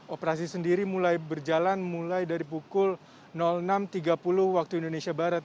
operasi sendiri mulai berjalan mulai dari pukul enam tiga puluh waktu indonesia barat